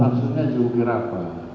maksudnya jungkir apa